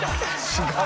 違う？